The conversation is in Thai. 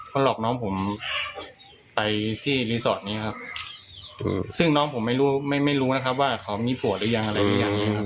เขาหลอกน้องผมไปที่รีสอร์ทนี้ครับซึ่งน้องผมไม่รู้ไม่รู้นะครับว่าเขามีผัวหรือยังอะไรหรือยังครับ